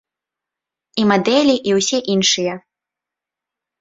І мадэлі, і ўсе іншыя.